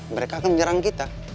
mereka akan menyerang kita